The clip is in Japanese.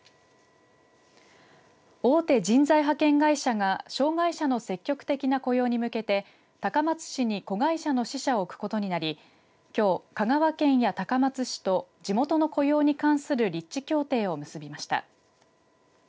大手人材派遣会社が障害者の積極的な雇用に向けて高松市に子会社の支社を置くことになりきょう、香川県や高松市と地元の雇用に関する理事協定を結びました。